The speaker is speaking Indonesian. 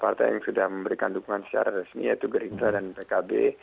partai yang sudah memberikan dukungan secara resmi yaitu gerindra dan pkb